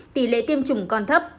tỉ lệ tiêm chủng còn thấp